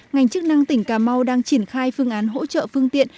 ngành chức năng tỉnh cà mau đang triển khai phương án hỗ trợ phương tiện